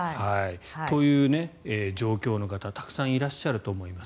という状況の方たくさんいらっしゃると思います。